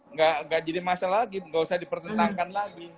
nggak jadi masalah lagi nggak usah dipertentangkan lagi